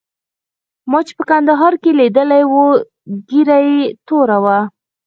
ما چې په کندهار کې لیدلی وو ږیره یې توره وه.